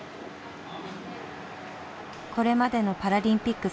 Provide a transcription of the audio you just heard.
これまでのパラリンピック